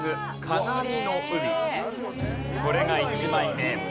これが１枚目。